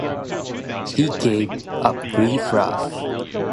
He gave a brief laugh.